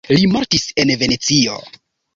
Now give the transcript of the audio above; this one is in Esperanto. Li mortis en Venecio.